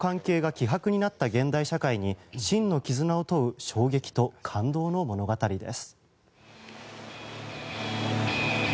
人と人の関係が希薄になった現代社会に真の絆を問う衝撃と感動の物語です。